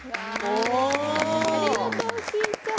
ありがとう、きいちゃん。